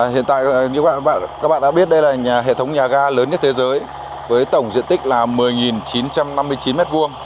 hiện tại các bạn đã biết đây là hệ thống nhà ga lớn nhất thế giới với tổng diện tích là một mươi chín trăm năm mươi chín m hai